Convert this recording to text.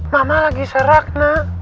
mama lagi serak na